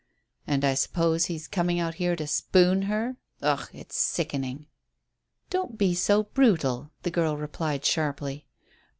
"And I suppose he's coming out here to 'spoon' her ugh! It's sickening." "Don't be so brutal," the girl replied sharply.